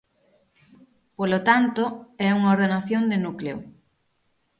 Polo tanto, é unha ordenación de núcleo.